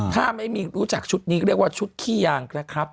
ถ้าไม่มีรู้จักชุดนี้ก็เรียกว่าชุดขี้ยางนะครับ